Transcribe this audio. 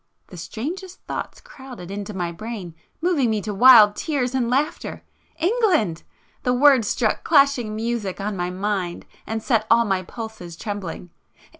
The strangest thoughts crowded into my brain, moving me to wild tears and laughter. England! The word struck clashing music on my mind, and set all my pulses trembling.